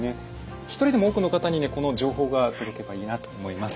一人でも多くの方にねこの情報が届けばいいなと思います。